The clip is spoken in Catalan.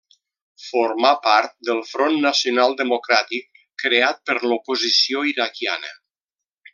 Formà part del Front Nacional Democràtic creat per l'oposició iraquiana.